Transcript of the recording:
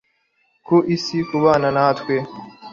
ku isi kubana natwe